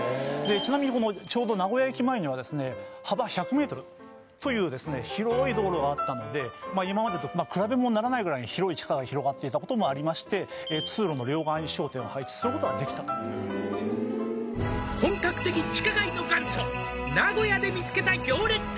ちなみにちょうど名古屋駅前にはですね幅１００ｍという広い道路があったので今までと比べものにならないぐらいに広い地下が広がっていたこともありまして「本格的地下街の元祖名古屋で見つけた行列店」